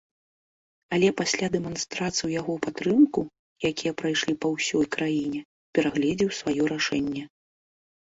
Але пасля дэманстрацый у яго падтрымку, якія прайшлі па ўсёй краіне, перагледзеў сваё рашэнне.